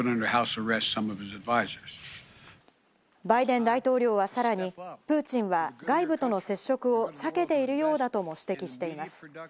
バイデン大統領はさらに、プーチンは外部との接触を避けているようだとも指摘しています。